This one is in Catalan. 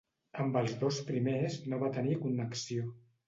Amb els dos primers no va tenir connexió.